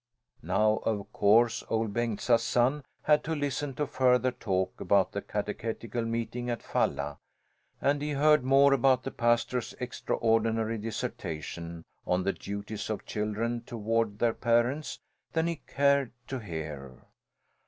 Now of course Ol' Bengtsa's son had to listen to further talk about the catechetical meeting at Falla, and he heard more about the pastor's extraordinary dissertation on the duties of children toward their parents than he cared to hear.